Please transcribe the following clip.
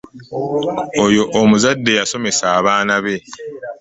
Oyo omuzadde y'asomesa abaana be